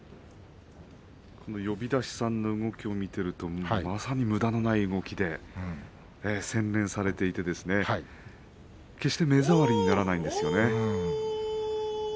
呼出しさんの動きを見ているとまさにむだのない動きで洗練されていて決して目障りにならないですよね。